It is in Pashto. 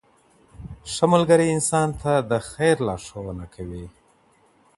ښه ملګری انسان ته د خیر لارښوونه کوي.